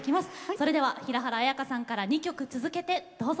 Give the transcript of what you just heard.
それでは平原綾香さんから２曲続けてどうぞ。